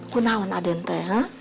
kau kenapa adente